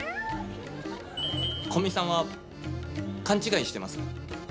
古見さんは勘違いしてます。